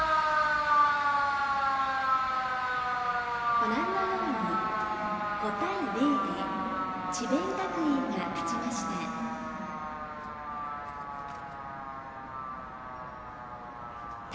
ご覧のように５対０で智弁学園が勝ちました。